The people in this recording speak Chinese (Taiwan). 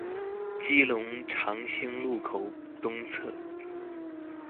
基隆長興路口東側